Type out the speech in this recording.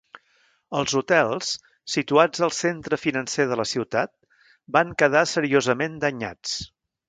Els hotels, situats al centre financer de la ciutat, van quedar seriosament danyats.